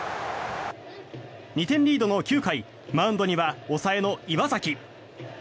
２点リードの９回マウンドには抑えの岩崎。